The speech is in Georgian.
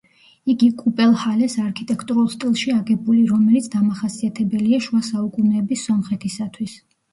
იგი კუპელჰალეს არქიტექტურულ სტილში აგებული, რომელიც დამახასიათებელია შუა საუკუნეების სომხეთისათვის.